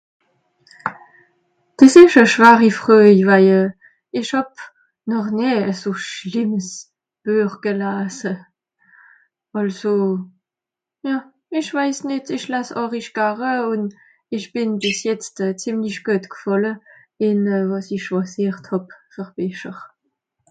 des esch a schwari freuj waije esch hàb nor nie a so schlìmms Buëch gelasse also ja esch waiss nìt esch lass horig gare un esch bìn bis jetz zìmlich guet g'fàlle ìn e wàs'i chwosiert'hàb ver Becher